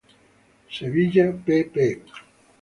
Sevilla, pp.